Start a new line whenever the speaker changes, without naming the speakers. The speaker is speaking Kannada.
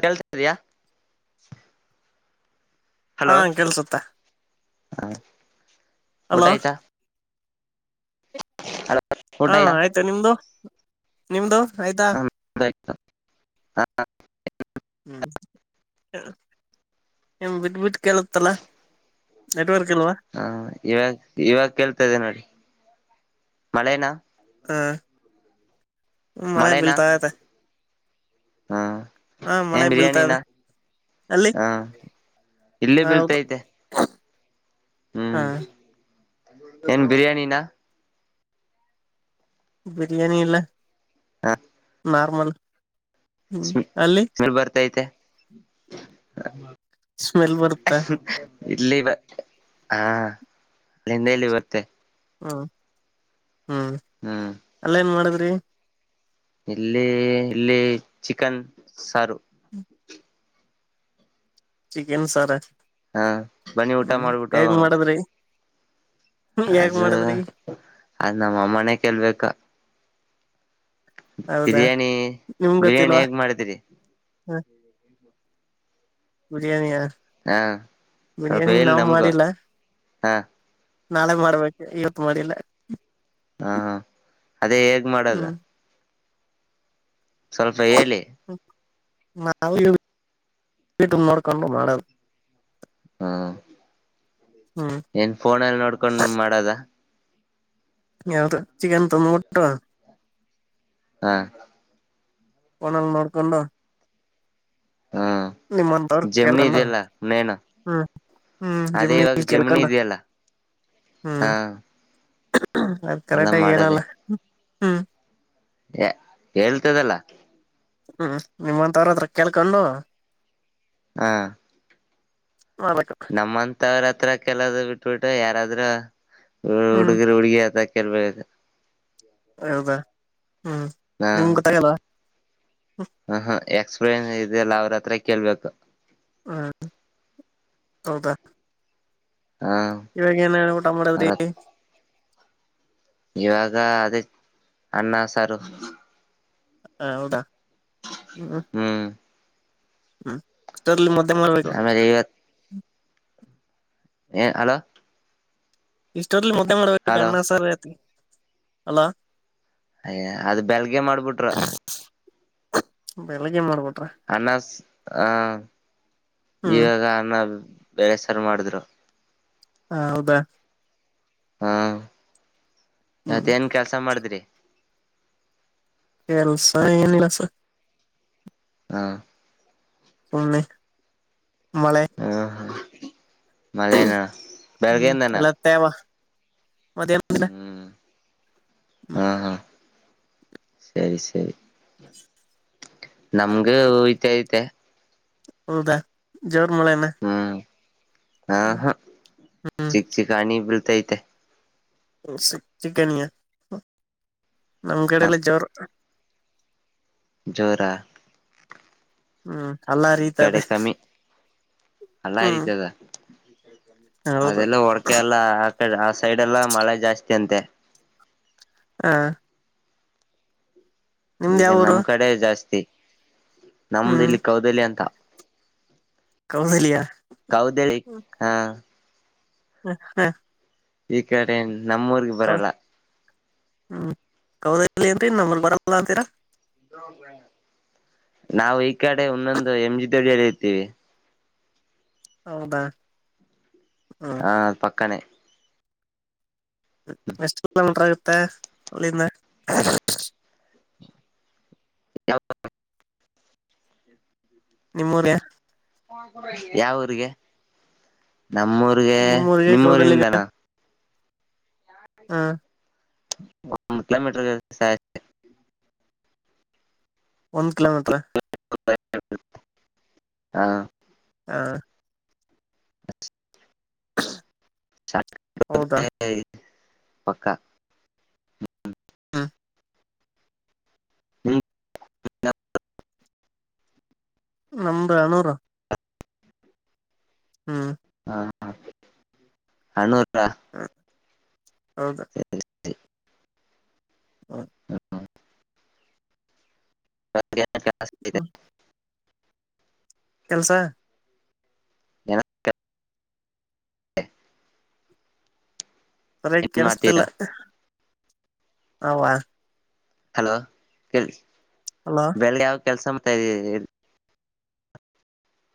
ಕೇಳ್ತ ಇದಿಯಾ
ಹಾ ಕೆಲ್ಸುತ್ತ ಅಲೋ
ಊಟಯ್ತ ಅ [unintelligible]
ಹಾ ಆಯ್ತಾ ನಿಮ್ದು ನಿಮ್ದು ಆಯ್ತಾ
ಹಾ [unintelligible]
ಹ್ಮ್ [unintelligible] ಬಿಟ್ ಬಿಟ್ಟ ಕೇಳುತ್ತಲ್ಲ ನೆಟ್ವರ್ಕ್ ಇಲ್ವಾ
ಹಾ ಇವಾಗ ಇವಾಗ ಕೇಳ್ತದೆ ನೋಡಿ ಮಳೆನ
ಹಾ ಮಳೆ ಬೀಳ್ತಾ ಇದೆ
ಹಾ [unintelligible]
ಹಾ ಮಳೆ ಬೀಳ್ತಾದೆ
ಹಾ ಇಲ್ಲೇ
ಹೌದು
ಬೀಳ್ತೈತೆ
ಹಾ
ಹ್ಮ್
[unintelligible]
ಏನ್ ಬಿರಿಯಾನಿನ
ಬಿರಿಯಾನಿ ಅಲ್ಲ
ಹಾ [unintelligible]
ನಾರ್ಮಲ್ [unintelligible] ಅಲ್ಲಿ
ಸ ಬರ್ತೈತೆ
ಸ್ಮೆಲ್ ಬರುತ್ತ
[unintelligible] ಇಲ್ಲಿವ [unintelligible] ಹಾ ಅಲ್ಲಿಂದ ಇಲ್ಲಿ ಬತ್ತೆ
ಹ್ಮ್ ಹ್ಮ್
ಹ್ಮ್
ಅಲ್ಲ ಏನ್ ಮಾಡಿದ್ರಿ
ಇಲ್ಲಿ ಇಲ್ಲಿ ಚಿಕನ್ ಸಾರು
ಚಿಕನ್ ಸಾರ
ಹಾ ಬನ್ನಿ ಊಟ
ಹ್ಮ
ಮಾಡ್ಬಿಟ್ಟು
ಹೇಗ್
ಹೋಗಮ್ಮ
ಮಾಡದ್ರಿ
ಅದು ಅದ ನಮ್ಮ ಅಮ್ಮನೆ ಕಲ್ಬೇಕ
ಹೌದಾ ನಿಮ್
ಬಿರಿಯಾನಿ
ಗೊತ್ತಿಲ್ವಾ
ಹೇಗ್ ಮಾಡಿದಿರಿ
ಹ ಬಿರಿಯಾನಿಯಾ
ಹಾ ಸ್ವಲ್ಪ
ಬಿರಿಯಾನಿ
ಹೇಳಿ
ನವು
ನಮ್ಗೂ
ಮಾಡಿಲ್ಲ
ಹಾ
ನಾಳೆ ಮಾಡ್ಬೇಕು ಇವತ್ ಮಾಡಿಲ್ಲ
ಹಾ ಅದೇ ಹೇಗ್ ಮಾಡದ
ಹ್ಮ್
ಸ್ವಲ್ಪ ಹೇಳಿ
ನಾವು ಇಟ ನೋಡ್ಕೊಂಡು ಮಾಡದು
ಹಾ [unintelligible] ಏನ್ ಫೋನಲ್ಲಿ ನೋಡ್ಕೊಂಡ್ ಮಾಡದ
ಯಾವತ್ತು ಚಿಕನ್ ತೊಂದ ಕೊಟ್ಟೋ
ಹಾ [unintelligible]
ಪೋನಲ್ ನೋಡ್ಕೊಂಡ
ಹಾ ಜಮನಿ
ಕೇಳ್ಕೊಂಡು
ಇದಲ್ಲ ನೇನು
ಹ್ಮ್ ಹ್ಮ್
ಅದೇ ಇವಾಗ
ಜಮೀನಲ್ಲಿ
ಜಮೀನಿ
ಕೇಳ್ಕೊಂಡು
ಇದೆಯಲ್ಲ
ಹ್ಮ್
ಹಾ
ಅದ್
ಎಲ್ಲ
ಕರೆಕ್ಟಗಿ ಏನಲ್ಲ ಹ್ಮ್
ಹೇ ಹೇಳ್ತದಲ್ಲ
ಹ್ಮ್ ನಿಮ್ಮಂತವ್ರ ಹತ್ರ ಕೇಳ್ಕೊಂಡು
ಹಾ
ಮಾಡ್ಬೇಕು
ನಮ್ಮಂತವ್ರ ಹತ್ರ ಕೆಲದ ಬಿಟ್ಬಿಟ್ಟು ಯಾರಾದ್ರೂ
ಹ್ಮ್
ಹುಡುಗ್ರ ಹುಡ್ಗಿತ ಕೆರ್ಬೇಕದು
ಹೌದಾ ಹ್ಮ್
ಹ
ನಿಮ್ ಗೊತ್ತಾಗಲ್ವಾ
ಹ ಹ ಎಕ್ಸ್ಪೀರಿಯನ್ಸ್ ಇದಲ್ಲ ಅವ್ರ ಹತ್ರ ಕೇಳ್ಬೇಕು
ಹ್ಮ್ ಹೌದಾ
ಹ
ಇವಾಗ ಏನ್ ಹೇಳ್ಬುಟ
ಅವ್ರ
ಮಾಡದ್ರಿ
ಇವಾಗ ಅದೇ ಅನ್ನ ಸಾರು
ಹ ಹೌದಾ
ಹ್ಮ್
ಹ್ಮ ಮದ ಮಾಡರಬೇಕ
ಆಮೇಲೆ ಹ ಹಲೋ
ಇಷ್ಟೋರ್ಲ್ಲಿ ಮುದ್ದೆ ಮಾಡ್ಬೇಕು
ಹಲೋ
ಅಣ್ಣ ಸರ್ ತ್ ಅಲ್ಲ
ಅಯ ಅದ್ ಬೆಳಗೆ ಮಾಡ್ಬಿಟ್ರ
ಬೆಳಿಗ್ಗೆ ಮಾಡ್ಬೋಟ್ಟು
ಅನ ಹ
ಹ್ಮ್
ಇವಾಗ ಅನ್ನ ಬೇರೆ ಸರ್ ಮಾಡಿದ್ರು
ಹ ಹೌದಾ ಹ್ಮ್
ಮತ್ ಏನ್ ಕೆಲ್ಸ ಮಾಡಿದ್ರಿ
ಕೆಲ್ಸ ಏನಿಲ್ಲಸ
ಹಾ
ಸುೆ ಮಳೆ
ಹ ಮಳೆನ
ಹ್ಮ್
ಬೆಳಗ್ಗೆಯಿಂದನ
ಎಲ್ಲ ತೇವಾ
ಹ್ಮ್
ಹ್ಮ್
ಹಾ ಹಾ ಸರಿ ಸರಿ ನಮಗು ವುತೆ ವುತೆ
ಹೌದಾ ಜೋರ್ ಮೂಳೆನ
ಹಾ ಹಾ
ಹ್ಮ್
ಚಿಕ್ ಚಿಕಾಣಿ ಬಳ್ತ ಐತೆ
ಚಿಕನಿಯ
ಹ
ನಮಕಡೆಲ್ಲ ಜರ
ಜೋರ
ಹ್ಮ್ ಅಲ್ಲಾ ರೀತದೆೇ
ಅಲ್ಲಾ ತದ
ಹೌದು
ಅದೆಲ್ಲ ಹೊಡಕೆ ಎಲ್ಲ ಆಕಡೆ ಸೈಡ್ ಎಲ್ಲ ಮಳೆ ಜಾಸ್ತಿ ಅಂತೆ
ಹಾ
ಈಗ
ಊರು
ನಮ್ ಕಡೆ ಜಾಸ್ತಿ ನಮ್ದ
ಹ್ಮ್
ಇಲ್ಲಿ ಕೌದಲ್ಯ ಅಂತ
ಕೌದಲಿಯಾ
ಕೌದ ಹಾ
ಹ ಹಾ
ಈ ಕಡೆ ನಮ್ಮೂರ್ಗೆ ಬರಲ್ಲ
ಹ್ಮ್ ಕೌದ ಇಲ್ಲ ಏನ್ರಿ ನಮ್ಮಲ್ಲಿ ಬರಲ್ಲ ಅಂತೀರಾ
ನಾವು ಈ ಕಡೆ ಒಂದೊಂದು ಎಂ ಜಿ ದೋಡಿಯಲ್ಲಿ ಇರ್ತೀವಿ
ಹೌದಾ ಹ್ಮ್
ಹಾ ಪಕ್ಕನೆ
ಎಷ್ಟ ನಲ್ರಗುತ್ತೆ ಅಲ್ಲಿಂದ
ಹ ಹ
ನಿಮ್ಮ್ಯ ರ
ಯಾವ ಊರಿಗೆ ನಮ್ಮೂರಿಗೆ ನಿಮ್ಮೂರಿಿಂದನ
ಹ್ಮ
ಒಂದುತ್ತು ಕಿಲೋಮೀಟರ್
ಒಂದ್ ಕಿಲೋಮೀಟ್ರ
ಹಾ
ಹಾ
ಹಸ್ ಚ
ಹೌದಾ
ಪಕ್ಕ [unintelligible]
ಹಾ
ಹ್ಮ
ನಮ್ದ್ ಹನೂರ್ ಹ್ಮ್
ಹಾ ಹಣೂರ [unintelligible]
ಹೌದಾ
[inaudible]
[inaudible] ಹ್ಮ್
[inaudible]
ಕೆಲ್ಸ
[inaudible]
ಸರಿಯಾಗಿ ಕೆಲಿಸುತ್ತಿಲ್ಲ
ಮಾಡ್ತೀರಾ
ಅವಾ
ಹಲೋ
ಹಲೋ
ಬೆಳಗ್ಗೆ ಯಾವ ಕೆಲ್ಸ [inaudible]